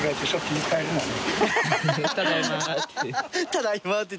「ただいま」って。